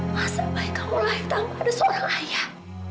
masa baik kamu lahir tanpa ada seorang ayah